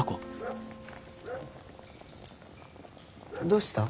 どうした？